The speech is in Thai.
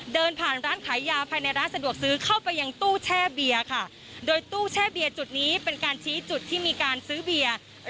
เดินผ่านร้านขายยาภายในร้านสะดวกซื้อเข้าไปยังตู้แช่เบียร์ค่ะโดยตู้แช่เบียร์จุดนี้เป็นการชี้จุดที่มีการซื้อเบียร์